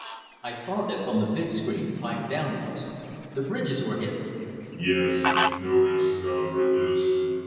I saw this on the vidscreen, piped down to us. The bridges were hit " "Yes, notice the bridges."